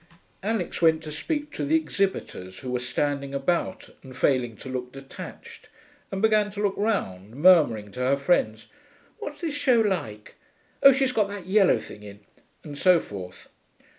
Alix went to speak to the exhibitors, who were standing about and failing to look detached, and began to look round, murmuring to her friends, 'What's the show like?... Oh, she's got that yellow thing in...' and so forth.